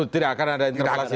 tidak akan ada interpelasi